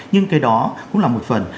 nhưng cái đó cũng là một phần